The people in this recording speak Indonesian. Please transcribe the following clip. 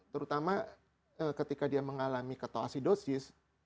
terutama ketika dia mengalami ketoasidosis